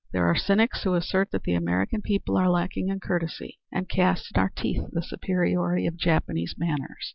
There are cynics who assert that the American people are lacking in courtesy, and cast in our teeth the superiority of Japanese manners.